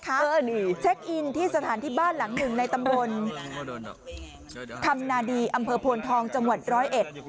อันนี้เช็คอินที่สถานที่บ้านหลังหนึ่งในตำบลคำนาดีอำเภอโพนทองจังหวัดร้อยเอ็ด